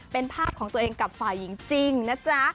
เป็นภาพของตัวเองกลับไฟจริงนะจ๊ะ